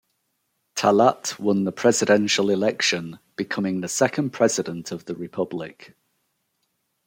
Talat won the presidential election, becoming the second President of the republic.